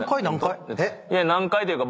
何階というか